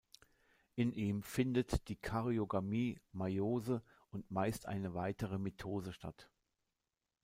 In ihm findet die Karyogamie, Meiose und meist eine weitere Mitose statt.